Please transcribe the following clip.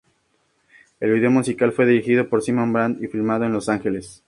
El video musical fue dirigido por Simon Brand y filmado en Los Ángeles.